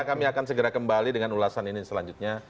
kami akan segera kembali dengan ulasan ini selanjutnya